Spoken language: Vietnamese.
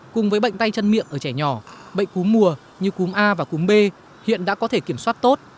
cùng với bệnh tay chân miệng ở trẻ nhỏ bệnh cúm mùa như cúm a và cúm b hiện đã có thể kiểm soát tốt